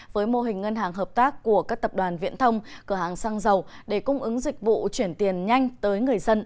với mô hình ngân hàng hợp tác của các tập đoàn viễn thông cửa hàng xăng dầu để cung ứng dịch vụ chuyển tiền nhanh tới người dân